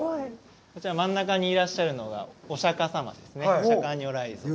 こちら真ん中にいらっしゃるのがお釈迦様ですね。